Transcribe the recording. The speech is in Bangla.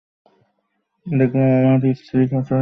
দেখলাম আমার স্ত্রী খাঁচার গায়ে হাত দিয়ে অদ্ভুত ভঙ্গিতে বসে আছে।